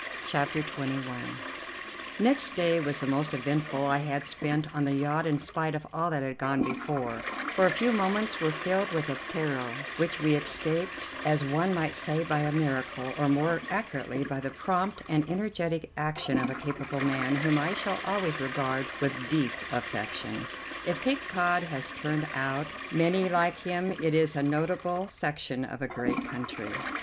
CHAPTER XXI Next day was the most eventful I had spent on the yacht in spite of all that had gone before, for a few moments were filled with a peril which we escaped, as one might say, by a miracle, or more accurately by the prompt and energetic action of a capable man whom I shall always regard with deep affection. If Cape Cod has turned out many like him, it is a notable section of a great country.